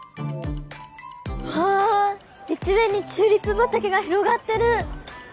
わあ一面にチューリップ畑が広がってる！